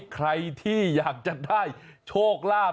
ใครที่อยากจะได้โชคลาภ